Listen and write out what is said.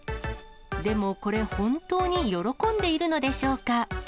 でも、これ、本当に喜んでいるのでしょうか。